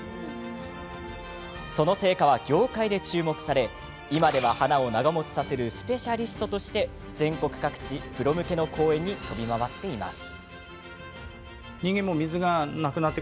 その成果は業界で注目され今では花を長もちさせるスペシャリストとして全国各地、プロ向けの講演に飛び回っています。